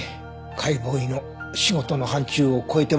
解剖医の仕事の範疇を超えてますよね。